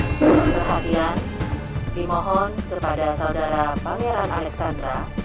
perhatian dimohon kepada saudara pangeran alexandra